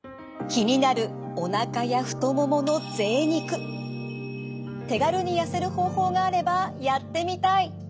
気になるおなかや太ももの手軽に痩せる方法があればやってみたい！